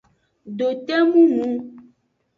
Dote mumu.